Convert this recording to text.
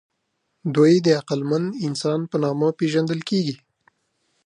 دوی د عقلمن انسان په نامه پېژندل کېږي.